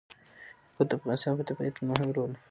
یاقوت د افغانستان په طبیعت کې مهم رول لري.